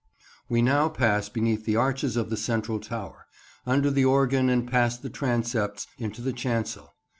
WE now pass beneath the arches of the central tower, under the organ and past the transepts, into the chancel.